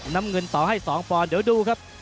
น้ำเงินต่อให้๒ปอนด์เดี๋ยวดูครับ